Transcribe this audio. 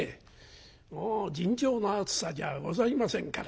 もう尋常な暑さじゃございませんから。